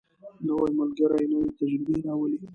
نوی ملګری نوې تجربې راولي